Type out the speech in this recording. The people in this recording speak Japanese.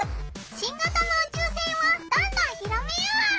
新型の宇宙せんをどんどん広めよう！